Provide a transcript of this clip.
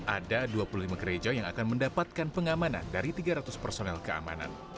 ada dua puluh lima gereja yang akan mendapatkan pengamanan dari tiga ratus personel keamanan